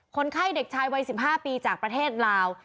คนไข้เด็กชายวัย๑๕ปีจากประเทศลาว